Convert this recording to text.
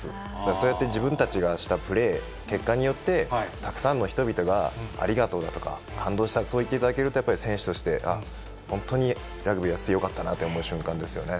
そうやって自分たちがしたプレー、結果によって、たくさんの人々が、ありがとうだとか、感動した、そう言っていただけると、選手として、あっ、本当にラグビーやっててよかったなと思う瞬間ですよね。